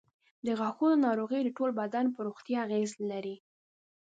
د غاښونو ناروغۍ د ټول بدن پر روغتیا اغېز لري.